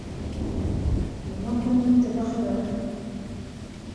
Йома көн үтте бахырым.